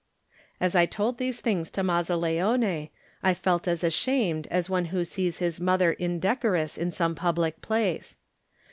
As I told these things to Mazzaleone I felt as ashamed as one who sees his mother indecorous in some public place.